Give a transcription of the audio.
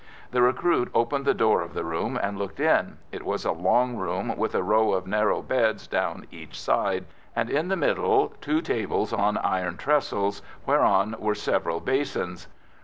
The recruit opened the door of the room, and looked in. It was a long room, with a row of narrow beds down each side, and in the middle two tables on iron trestles, whereon were several basins.